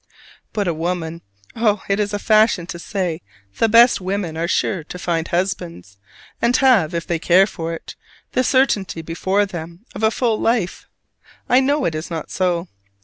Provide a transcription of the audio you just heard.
But a woman: oh, it is a fashion to say the best women are sure to find husbands, and have, if they care for it, the certainty before them of a full life. I know it is not so.